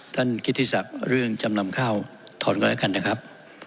ท่านคิดศัพท์เรื่องจำลำค่าวถอนกันด้วยแล้วกันนะครับ